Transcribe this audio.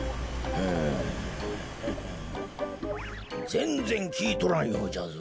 ぜんぜんきいとらんようじゃぞ。